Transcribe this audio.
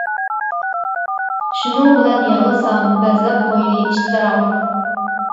شۇنىڭ بىلەن يىغلىسام، بەزلەپ قويدى ئىتلىرىڭ.